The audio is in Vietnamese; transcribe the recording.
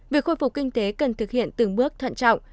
việc khôi phục kinh tế cần thực hiện từng bước thận trọng